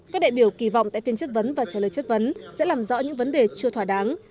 các đại biểu kỳ vọng tại phiên chất vấn và trả lời chất vấn sẽ làm rõ những vấn đề chưa thỏa đáng